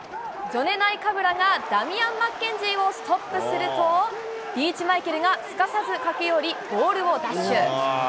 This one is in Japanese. ジョネ・ナイカブラがダミアン・マッケンジーをストップすると、リーチマイケルがすかさず駆け寄り、ボールを奪取。